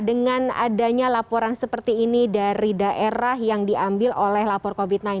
dengan adanya laporan seperti ini dari daerah yang diambil oleh lapor covid sembilan belas